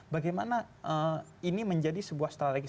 bagaimana ini menjadi sebuah strategi